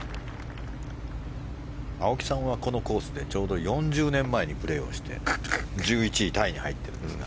青木さんはこのコースでちょうど４０年前にプレーをして１１位タイに入ってるんですが。